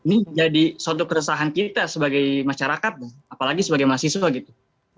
ini jadi suatu keresahan kita sebagai masyarakat apalagi sebagai mahasiswa gitu